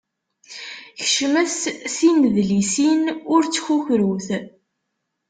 Kecmet tinedlisin ur ttkukrut!